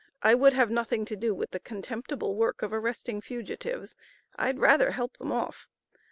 I would have nothing to do with the contemptible work of arresting fugitives. I'd rather help them off.